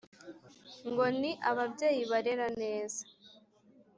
ngo ni ababyeyi barera neza